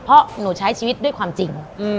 เพราะหนูใช้ชีวิตด้วยความจริง